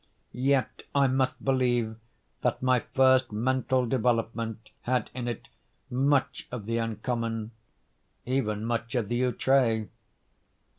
Yet I must believe that my first mental development had in it much of the uncommon—even much of the outré.